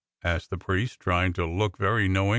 '*' asked the priest, tryin' to look very knowin'.